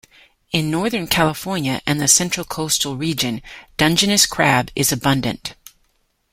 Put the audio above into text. In Northern California and the Central Coastal region, Dungeness crab is abundant.